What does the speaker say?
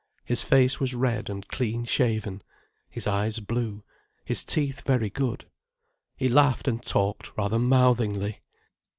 His face was red and clean shaven, his eyes blue, his teeth very good. He laughed and talked rather mouthingly.